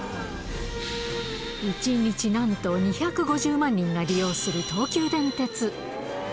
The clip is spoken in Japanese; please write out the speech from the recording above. １日なんと２５０万人が利用する東急電鉄。